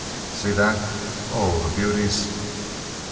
See that! Oh, the beauties!"